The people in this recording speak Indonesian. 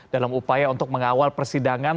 dalam upaya untuk mengawal persidangan